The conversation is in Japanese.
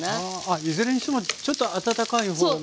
いずれにしてもちょっと温かいほうが。